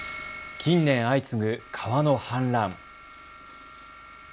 近年相次ぐ川の氾濫。